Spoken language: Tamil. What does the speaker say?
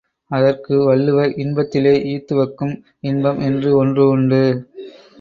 அதற்கு வள்ளுவர்— இன்பத்திலே ஈத்துவக்கும் இன்பம் என்று ஒன்று உண்டு.